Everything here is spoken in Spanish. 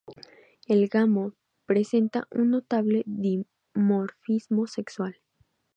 El gamo presenta un notable dimorfismo sexual.